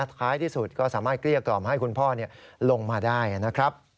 ท้ายที่สุดก็สามารถเกลี้ยกล่อมให้คุณพ่อลงมาได้นะครับ